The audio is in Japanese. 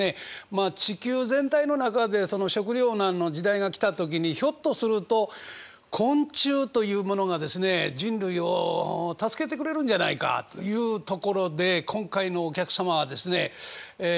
まあ地球全体の中でその食糧難の時代が来た時にひょっとすると昆虫というものがですね人類を助けてくれるんじゃないかというところで今回のお客様はですねえ